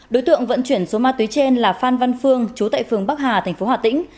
đối tượng vận chuyển số ma túy trên là phan văn phương chú tại phường bắc hà thành phố hà tĩnh